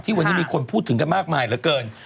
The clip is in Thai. วันนี้มีคนพูดถึงกันมากมายเหลือเกิน